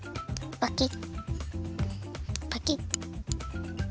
パキッ！